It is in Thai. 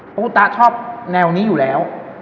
เพราะคุณตาชอบแนวนี้อยู่แล้ว